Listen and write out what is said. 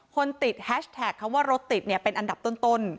คนติดแฮชแท็กคำว่ารถติดเนี่ยเป็นอันดับต้น